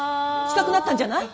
近くなったんじゃない。